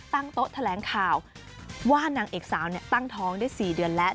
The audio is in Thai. ตั้งโต๊ะแถลงข่าวว่านางเอกสาวตั้งท้องได้๔เดือนแล้ว